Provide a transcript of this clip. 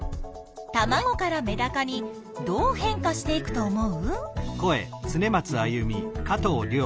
たまごからメダカにどう変化していくと思う？